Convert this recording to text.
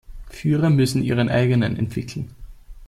Führer müssen ihren eigenen entwickeln.